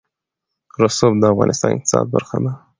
رسوب د افغانستان د اقتصاد برخه ده.